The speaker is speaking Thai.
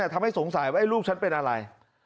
ทำให้สงสัยว่าลูกฉันเป็นอะไร